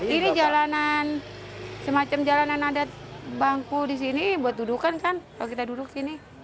ini jalanan semacam jalanan adat bangku di sini buat dudukan kan kalau kita duduk sini